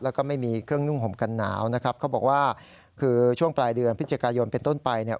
แล้วก็ไม่มีเครื่องนุ่งห่มกันหนาวนะครับเขาบอกว่าคือช่วงปลายเดือนพฤศจิกายนเป็นต้นไปเนี่ย